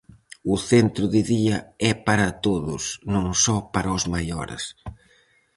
O centro de día é para todos, non só para os maiores.